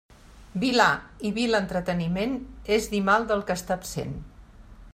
Vilà i vil entreteniment, és dir mal del que està absent.